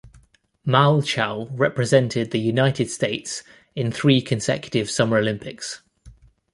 Malchow represented the United States in three consecutive Summer Olympics.